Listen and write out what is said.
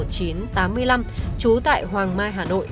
trú tại hoàng mai hà nội